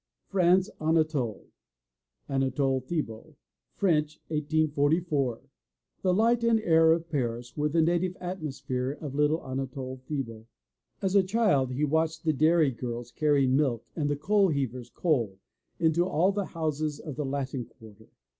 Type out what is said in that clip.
FRANCE, ANATOLE (Anatole Thibaut) French, 1844 The light and air of Paris were the native atmosphere of little Anatole Thibaut. As a child he watched the dairy girls carrying milk and the coal heavers, coal, into all the houses of the Latin Quarter.